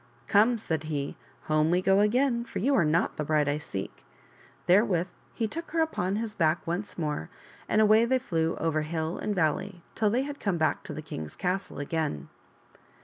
" Come," said he, " home we go again, for you are not the bride I seek !" Therewith he took her upon his back once more, and away they flew over hill and valley till they had come back to the king's castle again.